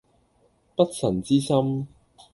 不臣之心